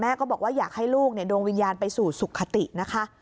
ก็บอกว่าอยากให้ลูกดวงวิญญาณไปสู่สุขตินะคะ